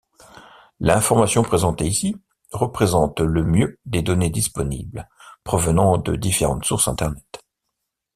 L'information présentée ici, représente le mieux les données disponibles provenant de différentes sources Internet.